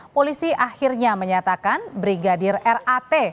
polisi akhirnya menyatakan brigadir rat